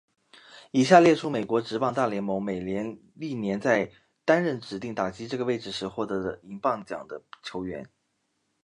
以下列出美国职棒大联盟美联历年在担任指定打击这个位置时获得银棒奖的球员。